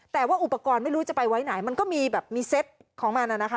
แต่ว่าอุปกรณ์ไม่รู้จะไปไว้ไหนมันก็มีแบบมีเซ็ตของมันนะคะ